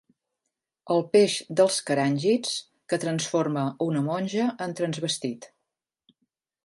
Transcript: El peix dels caràngids que transforma una monja en transvestit.